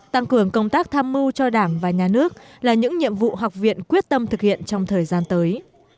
tăng cường công tác tham mưu cho đảng và nhà nước là những nhiệm vụ học viện quyết tâm thực hiện trong thời gian tới